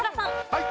はい。